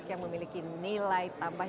yang memiliki nilai tambah